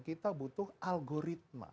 kita butuh algoritma